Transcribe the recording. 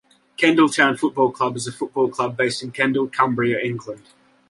Kendal Town Football Club is a football club based in Kendal, Cumbria, England.